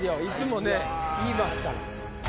いつもね言いますから。